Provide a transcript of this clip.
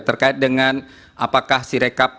terkait dengan apakah sirecap